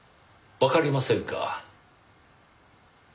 わかりませんか。